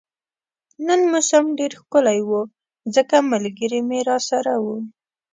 نن موسم ډیر ښکلی وو ځکه ملګري مې راسره وو